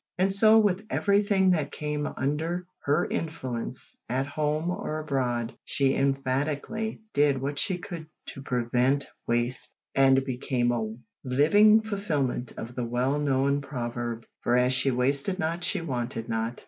And so with everything that came under her influence at home or abroad. She emphatically did what she could to prevent waste, and became a living fulfilment of the well known proverb, for as she wasted not she wanted not.